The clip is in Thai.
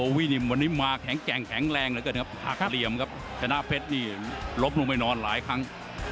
หักเหลี่ยมครับชนะเพชรนี่ลบลงไปนอนหลายครั้ง